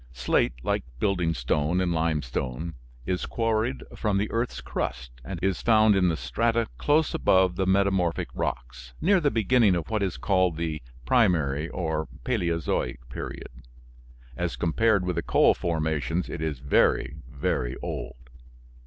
Slate, like building stone and limestone, is quarried from the earth's crust and is found in the strata close above the Metamorphic rocks, near the beginning of what is called the Primary, or Paleozoic period. As compared with the coal formations it is very, very old.